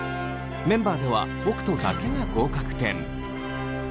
メンバーでは北斗だけが合格点。